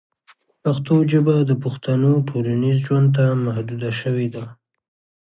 پښتو ژبه د پښتنو ټولنیز ژوند ته محدوده شوې ده.